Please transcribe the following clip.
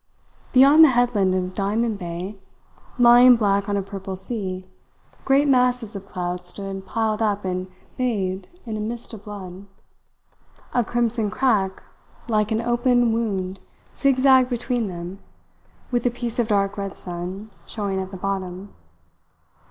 Beyond the headland of Diamond Bay, lying black on a purple sea, great masses of cloud stood piled up and bathed in a mist of blood. A crimson crack like an open wound zigzagged between them, with a piece of dark red sun showing at the bottom.